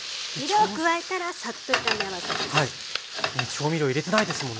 調味料入れてないですもんね。